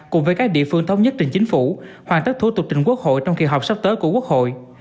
cùng với các địa phương thống nhất trình chính phủ hoàn tất thủ tục trình quốc hội trong kỳ họp sắp tới của quốc hội